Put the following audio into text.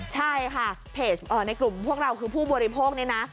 ใช่ค่ะเพจในกลุ่มพวกเราคือผู้บริโภคนี้นะ